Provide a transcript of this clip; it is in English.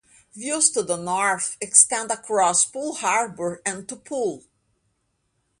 Views to the north extend across Poole Harbour and to Poole.